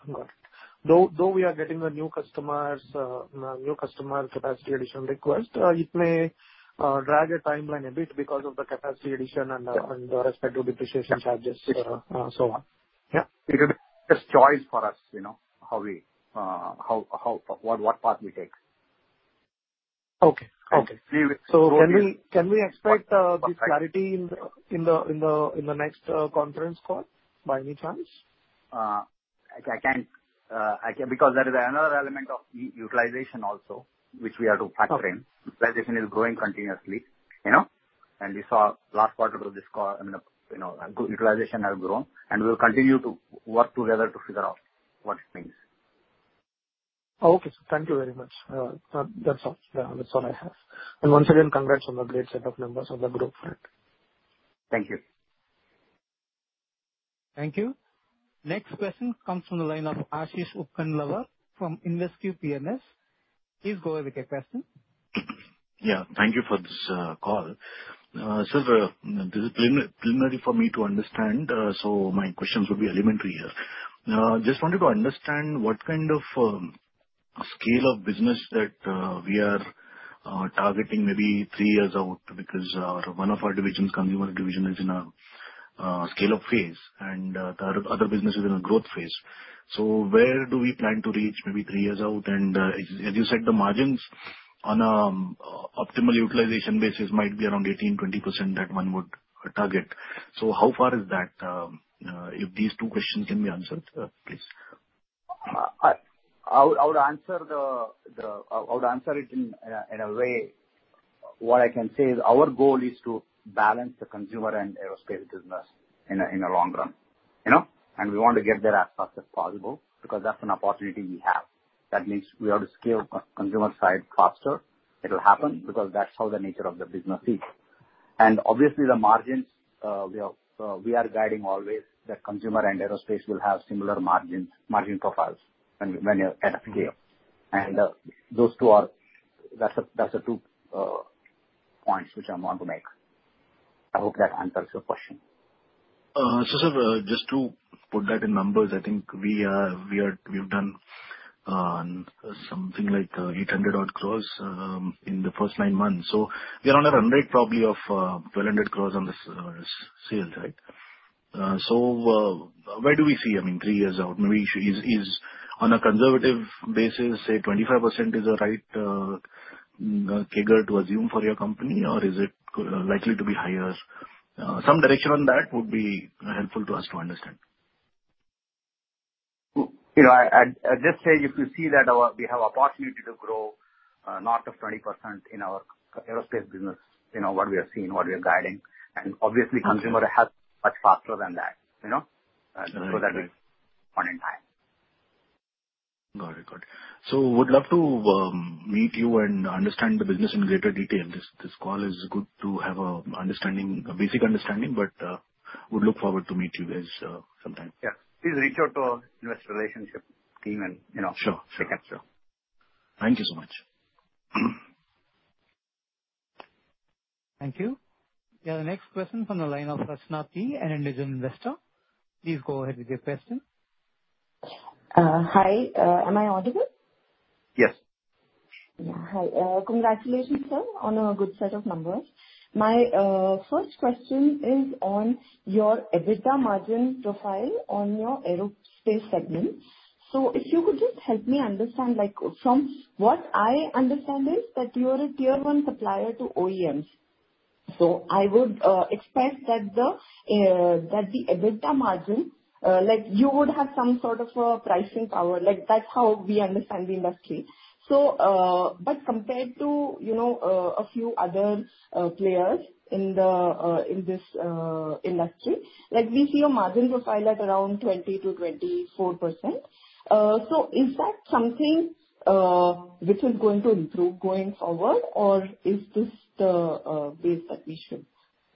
Though we are getting the new customers, new customer capacity addition request, it may drag a timeline a bit because of the capacity addition and the- -the respective depreciation charges. Sure. so on. Yeah. It will be just choice for us, you know, what path we take. Okay. Okay. We will- Can we expect this clarity in the next conference call by any chance? I can't because there is another element of utilization also which we have to factor in. Okay. Utilization is growing continuously, you know, and we saw last quarter with this call, I mean, you know, utilization has grown, and we'll continue to work together to figure out what it means. Okay, sir. Thank you very much. That's all. Yeah. That's all I have. Once again, congrats on the great set of numbers of the group for it. Thank you. Thank you. Next question comes from the line of Aashish Upganlawar from InvesQ PMS. Please go ahead with your question. Yeah. Thank you for this call. The preliminary for me to understand, my questions will be elementary here. Just wanted to understand what kind of scale of business that we are targeting maybe three years out because one of our divisions, consumer division is in a scale-up phase and the other business is in a growth phase. Where do we plan to reach maybe three years out? And as you said, the margins on optimal utilization basis might be around 18%-20% that one would target. How far is that? If these two questions can be answered, please. I would answer it in a way. What I can say is our goal is to balance the consumer and aerospace business in a long run, you know, and we want to get there as fast as possible because that's an opportunity we have. That means we have to scale consumer side faster. It'll happen because that's how the nature of the business is. Obviously the margins, we are guiding always that consumer and aerospace will have similar margins, margin profiles when you're at scale. Those two are. That's the two points which I want to make. I hope that answers your question. Just to put that in numbers, I think we've done something like 800-odd crores in the first nine months. We are on a run rate probably of 1,200 crores on this sales, right? Where do we see, I mean, three years out, maybe is on a conservative basis, say 25% is the right CAGR to assume for your company, or is it likely to be higher? Some direction on that would be helpful to us to understand. You know, at this stage, if you see that we have opportunity to grow north of 20% in our aerospace business, you know, what we are seeing, what we are guiding. Obviously consumer has much faster than that, you know? Right. That is on time. Got it. Would love to meet you and understand the business in greater detail. This call is good to have an understanding, a basic understanding, but would look forward to meet you guys sometime. Please reach out to Investor Relations team, you know. Sure. Sure. We can talk. Thank you so much. Thank you. Yeah. The next question from the line of Rachna P, an Indian investor. Please go ahead with your question. Hi. Am I audible? Yes. Yeah. Hi. Congratulations, sir, on a good set of numbers. My first question is on your EBITDA margin profile on your aerospace segment. If you could just help me understand, like, from what I understand is that you're a tier one supplier to OEMs. I would expect that the EBITDA margin, like you would have some sort of a pricing power, like that's how we understand the industry. But compared to, you know, a few other players in this industry, like we see a margin profile at around 20%-24%. Is that something which is going to improve going forward or is this the base that we should,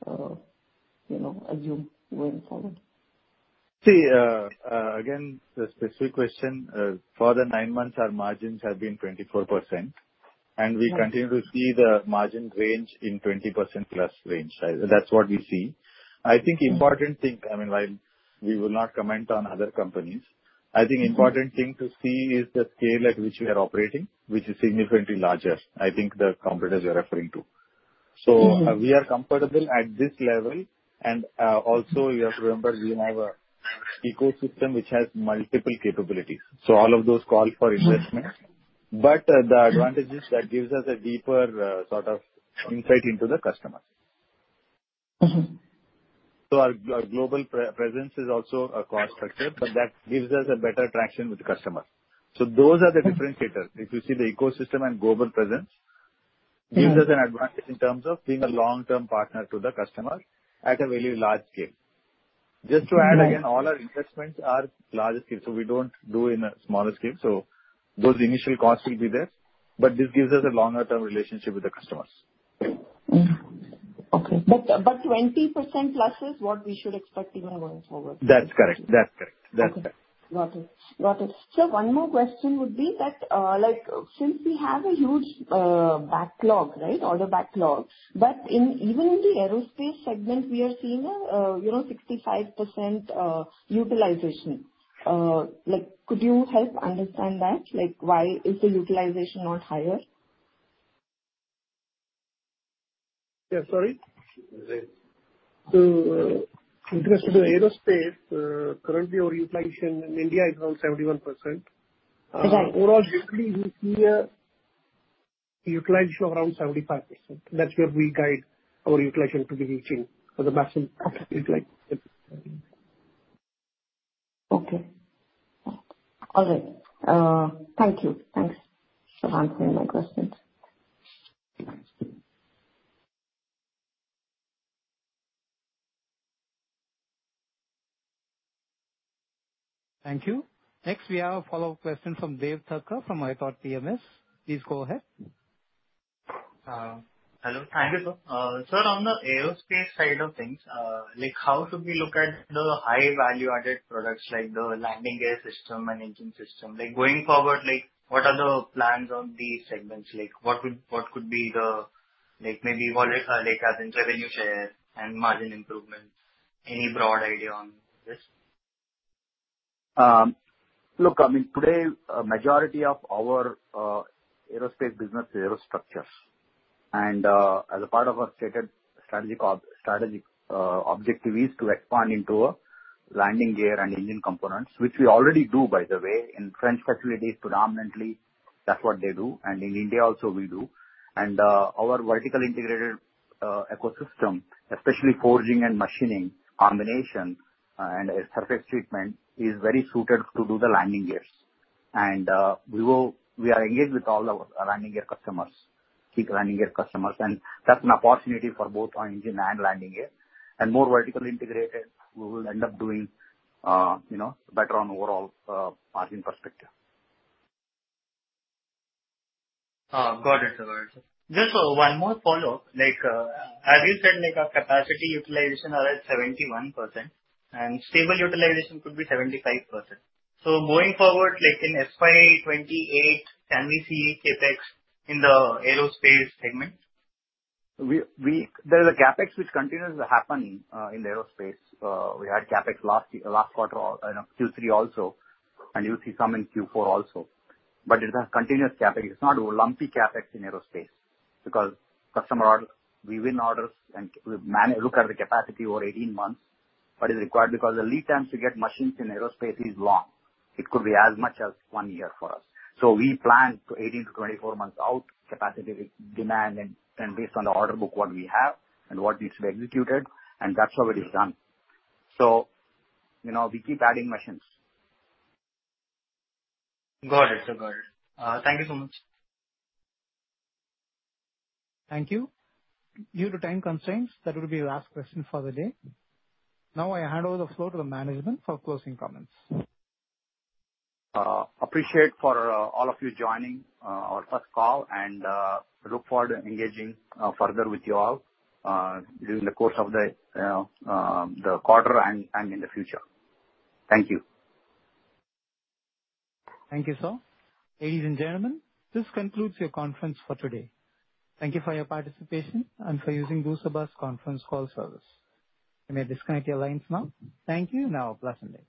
you know, assume going forward? See, again, the specific question, for the nine months our margins have been 24% and we continue to see the margin range in 20%+ range. That's what we see. I think important thing, I mean, like, we will not comment on other companies. I think important thing to see is the scale at which we are operating, which is significantly larger, I think the competitors you're referring to. We are comfortable at this level. Also you have to remember, we have a ecosystem which has multiple capabilities. All of those call for investment. The advantage is that gives us a deeper, sort of insight into the customer. Our global presence is also a cost structure, but that gives us a better traction with the customer. Those are the differentiators. If you see the ecosystem and global presence. Gives us an advantage in terms of being a long-term partner to the customer at a very large scale. Just to add again, all our investments are large scale, so we don't do in a smaller scale. Those initial costs will be there, but this gives us a longer term relationship with the customers. 20%+ is what we should expect even going forward? That's correct. Okay. Got it. One more question would be that, like, since we have a huge backlog, right? Order backlog, but even in the aerospace segment, we are seeing a you know, 65% utilization. Like, could you help understand that? Like, why is the utilization not higher? Yeah, sorry. In terms of the aerospace, currently our utilization in India is around 71%. Okay. Overall globally we see a utilization around 75%. That's where we guide our utilization to be reaching for the maximum. Okay. Utilization. Okay. All right. Thank you. Thanks for answering my questions. Thank you. Next we have a follow-up question from Dev Thakkar from ITOT PMS. Please go ahead. Hello. Thank you, sir. Sir, on the aerospace side of things, like how should we look at the high value-added products like the landing gear system and engine system? Like going forward, like what are the plans on these segments? Like, what could be the, like maybe wallet share or like as in revenue share and margin improvements? Any broad idea on this? Look, I mean, today, majority of our aerospace business is aerostructures. As a part of our stated strategic objective is to expand into landing gear and engine components, which we already do, by the way. In French facilities predominantly, that's what they do, and in India also we do. Our vertically integrated ecosystem, especially forging and machining combination, and surface treatment is very suited to do the landing gears. We are engaged with all our landing gear customers, key landing gear customers, and that's an opportunity for both engine and landing gear. More vertically integrated, we will end up doing, you know, better on overall margin perspective. Got it, sir. Got it. Just one more follow-up. Like, as you said, like our capacity utilization are at 71% and stable utilization could be 75%. Moving forward, like in FY 2028, can we see CapEx in the aerospace segment? There is a CapEx which continues to happen in the aerospace. We had CapEx last year, last quarter, no, Q3 also, and you'll see some in Q4 also. It's a continuous CapEx. It's not a lumpy CapEx in aerospace because customer orders, we win orders and we look at the capacity over 18 months, what is required. Because the lead times to get machines in aerospace is long. It could be as much as one year for us. We plan to 18-24 months out capacity with demand and based on the order book, what we have and what needs to be executed, and that's how it is done. You know, we keep adding machines. Got it, sir. Got it. Thank you so much. Thank you. Due to time constraints, that will be last question for the day. Now I hand over the floor to the management for closing comments. I appreciate all of you joining our first call, and look forward to engaging further with you all during the course of the quarter and in the future. Thank you. Thank you, sir. Ladies and gentlemen, this concludes your conference for today. Thank you for your participation and for using GoToWebinar's conference call service. You may disconnect your lines now. Thank you, and have a pleasant day.